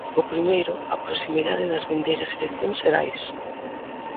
O primeiro, a proximidade das vindeiras eleccións xerais.